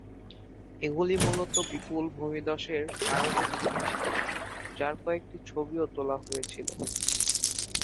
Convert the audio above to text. এগুলি মূলত বিপুল ভূমিধ্বস-এর কারণে ঘটেছিল, যার কয়েকটি ছবিও তোলা হয়েছিল।